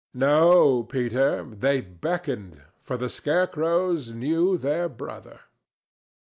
No, Peter, they beckoned, for the scarecrows knew their brother.